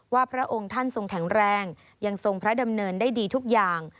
พระองค์ท่านทรงแข็งแรงยังทรงพระดำเนินได้ดีทุกอย่าง